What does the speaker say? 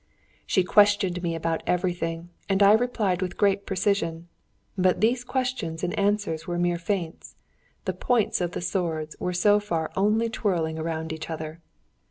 She questioned me about everything, and I replied with great precision; but these questions and answers were mere feints: the points of the swords were so far only twirling around each other.